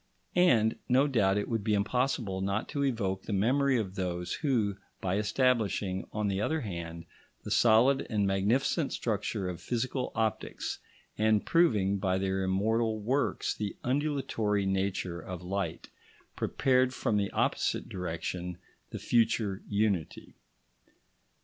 And no doubt it would be impossible not to evoke the memory of those who, by establishing, on the other hand, the solid and magnificent structure of physical optics, and proving by their immortal works the undulatory nature of light, prepared from the opposite direction the future unity.